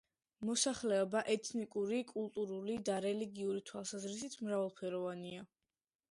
მოსახლეობა ეთნიკური, კულტურული და რელიგიური თვალსაზრისით მრავალფეროვანია.